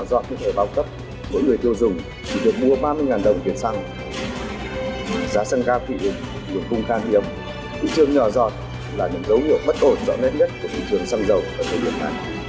giọt như thời bào cấp mỗi người tiêu dùng chỉ được mua ba mươi đồng tiền xăng giá xăng cao thị ụng được cung khan hiểm thị trường nhỏ giọt là những dấu hiệu bất cẩm